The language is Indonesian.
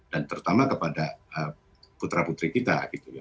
dan terutama kepada putra putri kita